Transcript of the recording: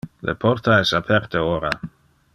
Le porta es aperte ora.